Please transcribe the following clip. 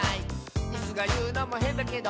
「イスがいうのもへんだけど」